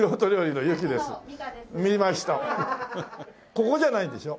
ここじゃないんでしょ？